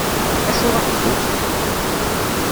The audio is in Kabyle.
Acu a ḥebbu?